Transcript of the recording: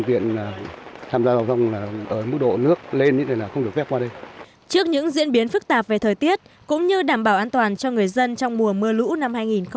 trước những diễn biến phức tạp về thời tiết cũng như đảm bảo an toàn cho người dân trong mùa mưa lũ năm hai nghìn hai mươi